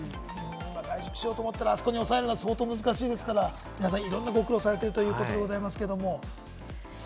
外食しようと思ったら、抑えるのは難しいですから、皆さん、いろいろご苦労されてるということでございますけれども。